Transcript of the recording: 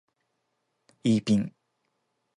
イーピン